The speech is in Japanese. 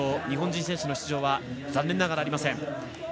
日本人選手の出場は残念ながら、ありません。